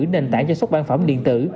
nền tảng do xuất bản phẩm điện tử